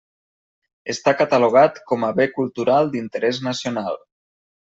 Està catalogat com a Bé Cultural d'Interès Nacional.